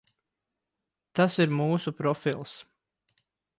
Tas ir mūsu profils.